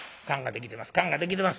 燗ができてます。